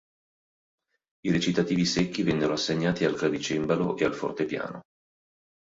I recitativi secchi vennero assegnati al clavicembalo o al fortepiano.